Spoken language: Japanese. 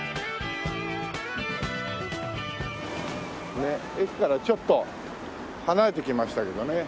ねっ駅からちょっと離れてきましたけどね。